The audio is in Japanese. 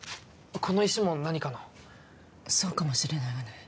この石も何かのそうかもしれないわね